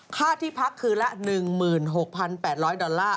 ค่าที่พักคืนละ๑๖๘๐๐ดอลลาร์